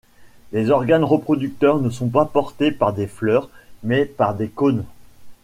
Les organes reproducteurs ne sont pas portés par des fleurs, mais par des cônes.